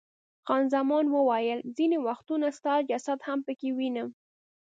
خان زمان وویل، ځیني وختونه ستا جسد هم پکې وینم.